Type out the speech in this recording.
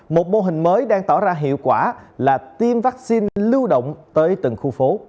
một mô hình mới đang tỏ ra hiệu quả là tiêm vaccine lưu động tới từng khu phố